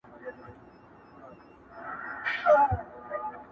په خِلقت کي مي حکمت د سبحان وینم،